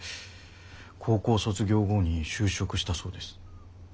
高校卒業後に就職したそうです。